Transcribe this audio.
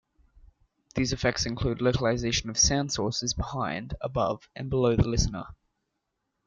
These effects include localization of sound sources behind, above and below the listener.